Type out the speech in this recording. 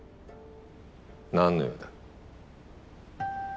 何の用だ？